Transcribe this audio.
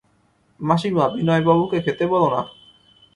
মাসিমা, বিনয়বাবুকে খেতে বলো-না।